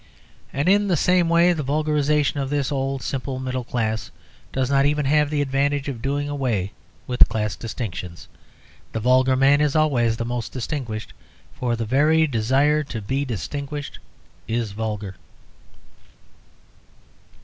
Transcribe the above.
And in the same way, the vulgarisation of the old, simple middle class does not even have the advantage of doing away with class distinctions; the vulgar man is always the most distinguished, for the very desire to be distinguished is vulgar.